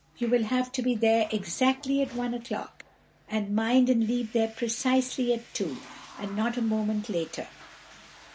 You will have to be there exactly at one o'clock; and mind and leave there precisely at two and not a moment later.